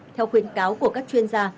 theo khuyến cáo của các chuyên gia